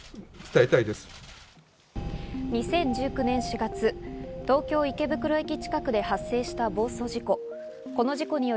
２０１９年４月、東京・池袋駅近くで発生した暴走事故。